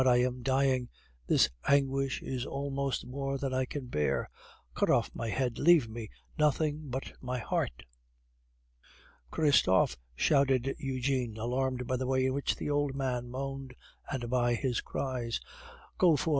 I am dying, this anguish is almost more than I can bear! Cut off my head; leave me nothing but my heart." "Christophe!" shouted Eugene, alarmed by the way in which the old man moaned, and by his cries, "go for M.